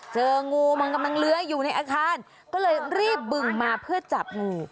เจองูมันกำลังเลื้อยอยู่ในอาคารก็เลยรีบบึงมาเพื่อจับงู